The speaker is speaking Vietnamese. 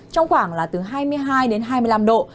trong khoảng là từ hai mươi hai đến hai mươi năm độ